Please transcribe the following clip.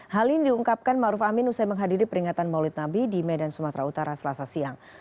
hal ini diungkapkan maruf amin usai menghadiri peringatan maulid nabi di medan sumatera utara selasa siang